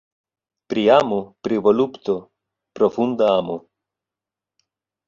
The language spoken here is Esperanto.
Pri amo, pri volupto. Profunda amo.